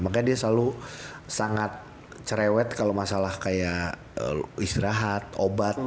makanya dia selalu sangat cerewet kalau masalah kayak istirahat obat